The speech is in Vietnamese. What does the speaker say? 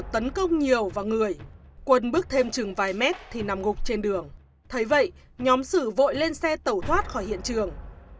tấn công nhiều vào người quân bước thêm chừng vài mét thì nằm gục trên đường thấy vậy nhóm sử vội lên xe tẩu thoát khỏi hiện trường